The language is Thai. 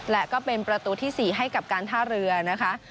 และก็เป็นประตูที่๔ให้กับการท่าเรือนะคะ